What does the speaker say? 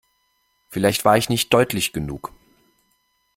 Vielleicht war ich nicht deutlich genug.